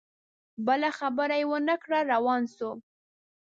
بله خبره یې ونه کړه روان سو